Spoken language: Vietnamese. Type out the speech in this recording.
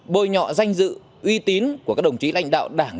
bồi nhọ danh dự uy tín của các đồng chí lãnh đạo đảng